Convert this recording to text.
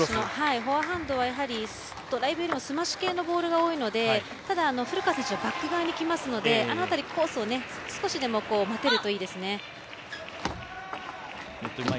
フォアハンドはやはりドライブよりもスマッシュ系のボールが多いのでただ、古川選手はバック側にきますのであの辺り、コースを少しでも待てるといいですね。